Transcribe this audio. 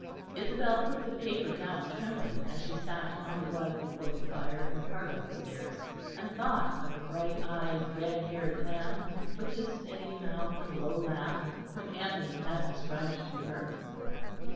Isabel put the paper down trembling, as she sat on the rug before the fire in the parlour upstairs, and thought of the bright eyed, red haired man with his steady mouth and low laugh whom Anthony had described to her.